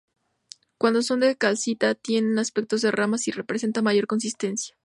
Cuando son de calcita tienen aspecto de ramas y presentan mayor consistencia...